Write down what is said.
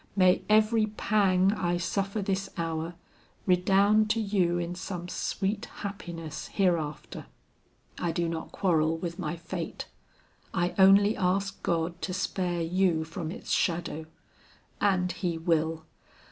May every pang I suffer this hour, redound to you in some sweet happiness hereafter. I do not quarrel with my fate, I only ask God to spare you from its shadow. And He will.